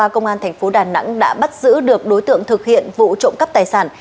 công an thành phố đà nẵng đã bắt giữ được đối tượng thực hiện vụ trộm cắp tài sản